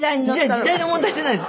時代の問題じゃないです。